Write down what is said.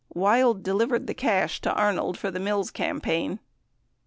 Wild delivered the cash to Arnold for the Mills campaign.